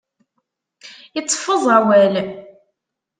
Iteffeẓ awal.